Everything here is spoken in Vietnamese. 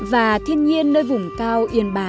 và thiên nhiên nơi vùng cao